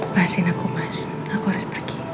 bahasin aku mas aku harus pergi